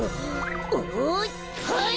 おっはい！